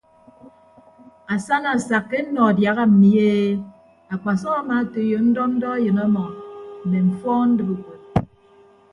Asana asakka ennọ adiaha mmi e akpasọm amaatoiyo ndọ ndọ eyịn ọmọ mme mfọọn ndibe ukod.